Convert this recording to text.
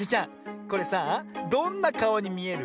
これさあどんなかおにみえる？